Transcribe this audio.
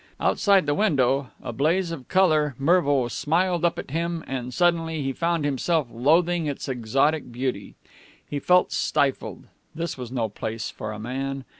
Outside the window, a blaze of color, Mervo smiled up at him, and suddenly he found himself loathing its exotic beauty. He felt stifled. This was no place for a man.